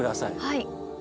はい。